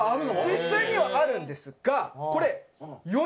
実際にはあるんですがこれ。